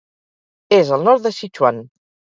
És al nord de Sichuan.